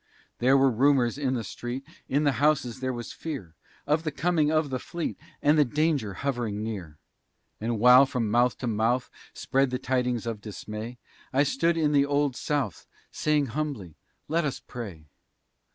There were rumors in the street, In the houses there was fear Of the coming of the fleet, And the danger hovering near. And while from mouth to mouth Spread the tidings of dismay, I stood in the Old South, Saying humbly: "Let us pray!